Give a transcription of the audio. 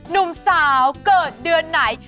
หนุ่มสาวเกิดเดือนไหน